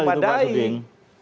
bagaimana pak suding